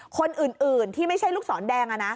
คนอื่นที่ไม่ใช่ลูกศรแดง